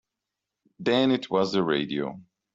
Then it was the radio.